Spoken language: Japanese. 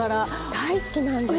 大好きなんです！